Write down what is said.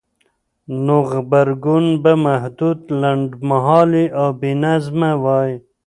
نو غبرګون به محدود، لنډمهالی او بېنظمه وای؛